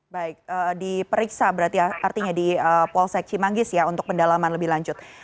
baik diperiksa berarti artinya di polsek cimanggis ya untuk pendalaman lebih lanjut